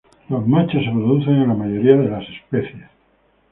Los machos se producen en la mayoría de las especies.